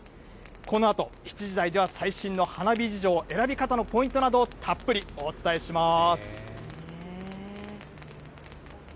このあと７時台では、最新の花火事情、選び方のポイントなどをたっぷりお伝えします。